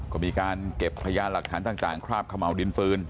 ก็มีการเก็บพยานหลักฐานต่างคราบขม่าวดินปืน